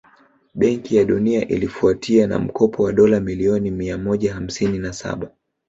Benki ya Dunia ilifuatia na mkopo wa dola milioni miamoja hamsini na Saba